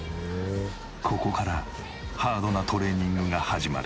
ここからハードなトレーニングが始まる。